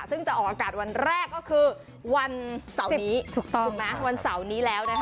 ซึ่งจะออกอากาศวันแรกก็คือวันเสาอี